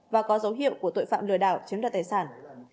và có dấu hiệu của tội phạm lừa đảo chiếm đoạt tài sản